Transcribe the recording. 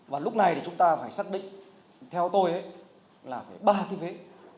và lúc này thì chúng ta phải xác định theo tôi là về ba cái vế